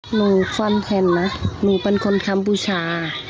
หนูฟันเห็นนะหนูเป็นคนทำบุชา